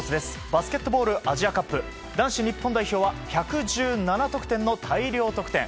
バスケットボールアジアカップ男子日本代表は１１７得点の大量得点。